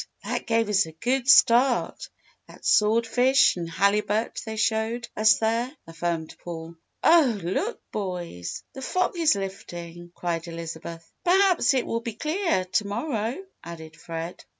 That gave us a good start that sword fish and halibut they showed us there," affirmed Paul. "Oh, look, boys! The fog is lifting!" cried Elizabeth. "Perhaps it will be clear to morrow," added Fred.